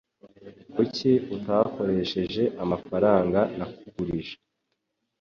Kuki utakoresheje amafaranga nakugurije?